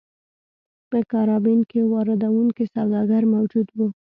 په کارابین کې واردوونکي سوداګر موجود وو.